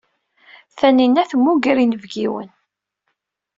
Tanina temmuger inebgiwen.